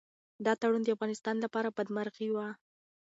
دا تړون د افغانستان لپاره بدمرغي وه.